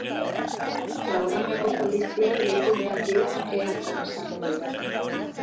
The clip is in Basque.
Logroñoko poliziei deitu behar diet ea zer esaten didaten.